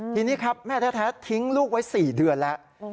ทีนี้ครับแม่แท้ทิ้งลูกไว้๔เดือนแล้ว